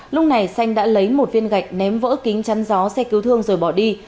lúc này xanh đã lấy một viên gạch ném vỡ kính chăn gió xe cứu thương rồi bỏ đi